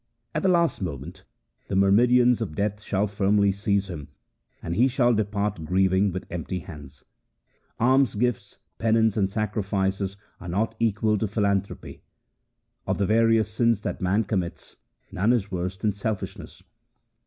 At the last moment the myrmidons of Death shall firmly seize him, and he shall depart grieving with empty hands. Almsgifts, penance, and sacrifices are not equal to philanthropy. Of the various sins that man commits none is worse than selfishness.'